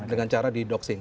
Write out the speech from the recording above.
dengan cara di doxing